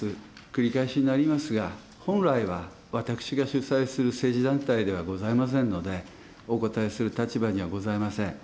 繰り返しになりますが、本来は、私が主催をする政治団体ではございませんので、お答えする立場にはございません。